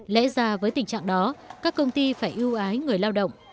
lẽ ra với tình trạng đó các công ty phải ưu ái người lao động